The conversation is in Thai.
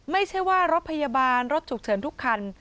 ไม่ใช่ว่ารถพยาบาลรถฉุกเฉินทุกคัน